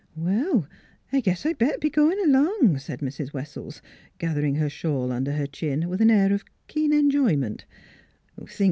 " Well, I guess I'd better be goin' along," said Mrs. Wessells, gathering her shawl under her chin with an air of keen enjoyment.